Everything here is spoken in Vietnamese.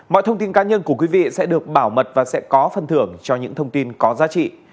mọi thông tin cá nhân của quý vị sẽ được bảo mật và sẽ có phần thưởng cho những thông tin có giá trị